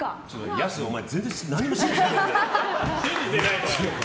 やす、お前全然何も信じてないんだな。